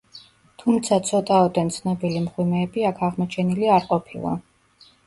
თუმცა ცოტაოდენ ცნობილი მღვიმეები აქ აღმოჩენილი არ ყოფილა.